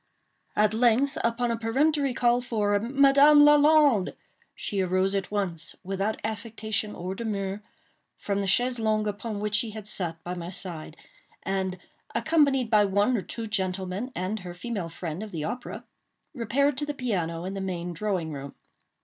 At length, upon a peremptory call for "Madame Lalande," she arose at once, without affectation or demur, from the chaise longue upon which she had sat by my side, and, accompanied by one or two gentlemen and her female friend of the opera, repaired to the piano in the main drawing room.